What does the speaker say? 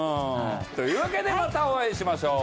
というわけでまたお会いしましょう。